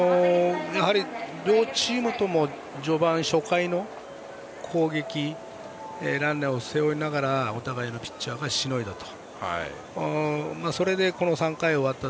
両チームとも序盤初回の攻撃ランナーを背負いながらお互いのピッチャーがしのいだと。